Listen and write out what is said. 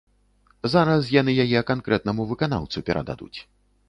Зараз яны яе канкрэтнаму выканаўцу перададуць.